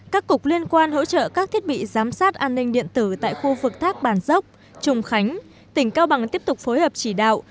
các cục liên quan hỗ trợ các thiết bị giám sát an ninh điện tử tại khu vực thác bản dốc trùng khánh tỉnh cao bằng tiếp tục phối hợp chỉ đạo